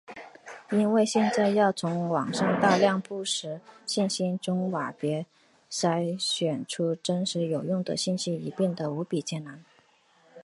因为现在要从网上大量不实信息中甄别筛选出真实有用的信息已变的无比艰难。